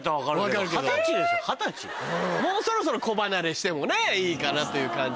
もうそろそろ子離れしてもねいいかなという感じは。